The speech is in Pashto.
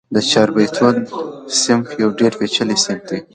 د چاربیتو صنف یو ډېر پېچلی صنف دئ.